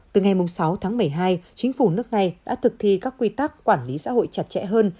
từ ngày sáu tháng một mươi hai chính phủ nước này đã thực thi các quy tắc quản lý xã hội chặt chẽ hơn